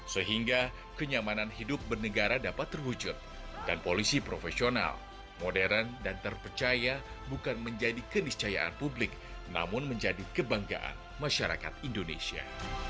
sehingga kenyamanan hidup bernegara dapat terwujud dan polisi profesional modern dan terpercaya bukan menjadi keniscayaan publik namun menjadi kebanggaan masyarakat indonesia